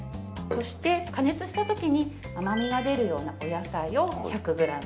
そして加熱した時に甘みが出るようなお野菜を１００ｇ。